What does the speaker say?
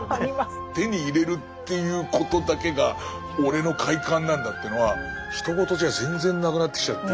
手に入れるっていうことだけが俺の快感なんだっていうのはひと事じゃ全然なくなってきちゃって。